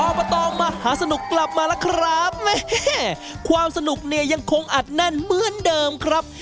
อบตมหาสนุกกลับมาแล้วครับแม่ความสนุกเนี่ยยังคงอัดแน่นเหมือนเดิมครับ